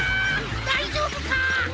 だいじょうぶか！